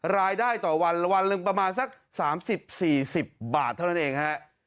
รายได้ต่อวันละวันหนึ่งประมาณสัก๓๐๔๐บาทเท่านั้นเองฮะ